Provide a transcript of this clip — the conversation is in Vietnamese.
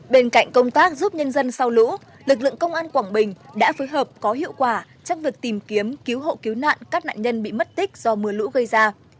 bên cạnh công tác giúp nhân dân sau lũ lực lượng công an quảng bình đã phối hợp có hiệu quả trong việc tìm kiếm cứu hộ cứu nạn các nạn nhân bị mất tích do mưa lũ gây ra